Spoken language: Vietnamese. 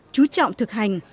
chú trọng thực hành